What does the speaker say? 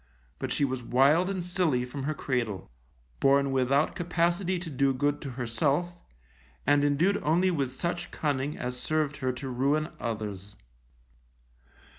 But she was wild and silly from her cradle, born without capacity to do good to herself, and indued only with such cunning as served her to ruin others.